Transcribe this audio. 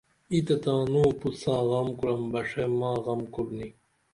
اِی تہ تانو پُت ساں غم کُرن بڜے ماں غم کُرنی